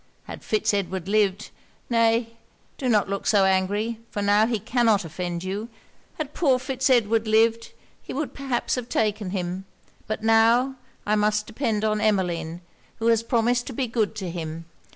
Had Fitz Edward lived nay do not look so angry, for now he cannot offend you had poor Fitz Edward lived, he would perhaps have taken him. But now, I must depend on Emmeline, who has promised to be good to him.